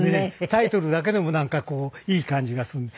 タイトルだけでもなんかこういい感じがするんで。